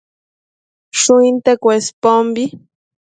Shuinte Cuespombi